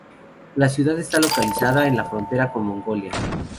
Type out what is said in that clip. La ciudad está localizada en la frontera con Mongolia.